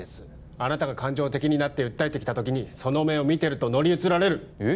あなたが感情的になって訴えてきた時にその目を見てると乗り移られるえっ？